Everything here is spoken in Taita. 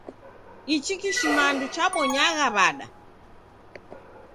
Ichi kishimandu chabonyagha w'ada?